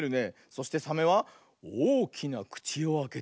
そしてサメはおおきなくちをあけておよぐ。